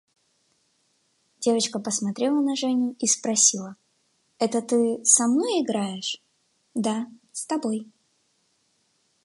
Девочка посмотрела на Женю и спросила: – Это ты со мной играешь? – Да, с тобой.